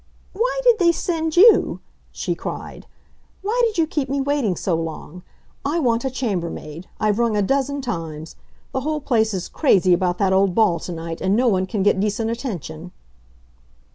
"Why did they send you?" she cried. "Why did you keep me waiting so long? I want a chambermaid. I've rung a dozen times. The whole place is crazy about that old ball to night, and no one can get decent attention."